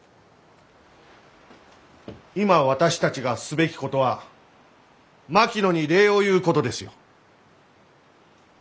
今私たちがすべきことは槙野に礼を言うことですよ。